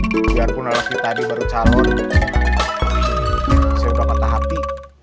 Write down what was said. biar pun lelaki tadi baru calon saya udah kata hati